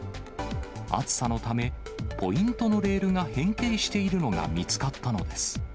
暑さのため、ポイントのレールが変形しているのが見つかったのです。